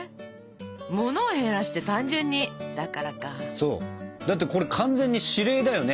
そうだってこれ完全に指令だよね。